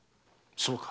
そうか。